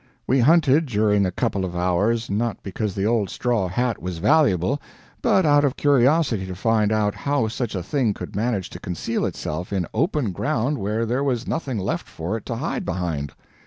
We hunted during a couple of hours not because the old straw hat was valuable, but out of curiosity to find out how such a thing could manage to conceal itself in open ground where there was nothing left for it to hide behind.